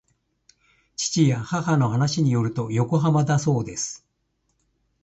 父や母の話によると横浜だそうです